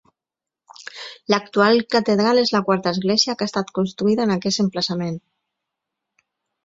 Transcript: L'actual catedral és la quarta església que ha estat construïda en aquest emplaçament.